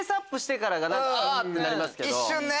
一瞬ね。